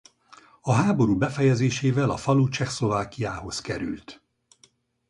A háború befejezésével a falu Csehszlovákiához került.